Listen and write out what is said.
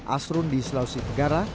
asrun di sulawesi pegara